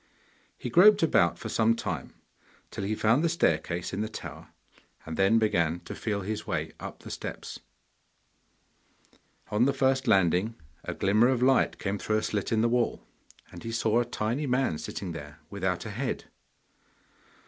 He groped about for some time, till he found the staircase in the tower, and then began to feel his way up the steps. On the first landing a glimmer of light came through a slit in the wall, and he saw a tiny man sitting there, without a head.